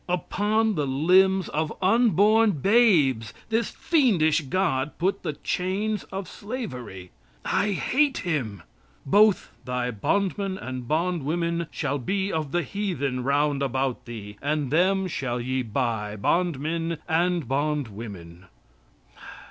Upon the limbs of unborn babes this fiendish God put the chains of slavery. I hate him. "Both thy bondmen and bondwomen shall be of the heathen round about thee and them shall ye buy, bondmen and bondwomen."